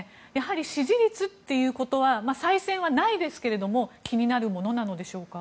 支持率ということは再選はないですけども気になるものなのでしょうか？